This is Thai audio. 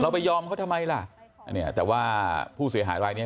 เราไปยอมเขาทำไมล่ะแต่ว่าผู้เสียหายวัยเนี่ย